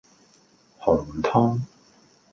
紅湯